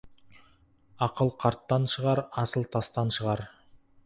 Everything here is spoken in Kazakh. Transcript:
Ақыл қарттан шығар, асыл тастан шығар.